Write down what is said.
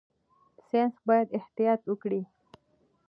ساينس باید احتیاط وکړي.